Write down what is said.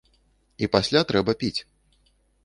І пасля трэба піць.